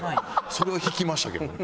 それは引きましたけどね。